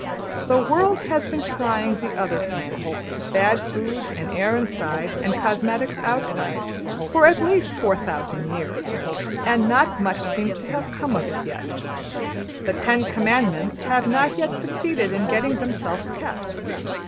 The world has been trying the other plan bad food and air inside, and cosmetics outside for at least 4000 years; and not much seems to have come of it yet. The Ten Commandments have not yet succeeded in getting themselves kept.